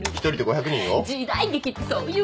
１人で５００人を？